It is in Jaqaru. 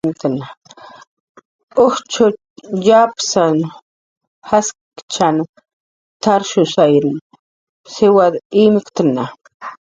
"Ujtxitx yapusn jaskich t""arshuysan siwadas imktna"